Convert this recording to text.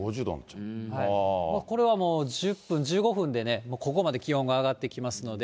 これはもう、１０分、１５分でね、ここまで気温が上がってきますので、